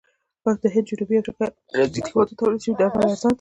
د هند، جنوبي افریقې او برازیل هېواد تولید شوي درمل ارزانه تمام شي.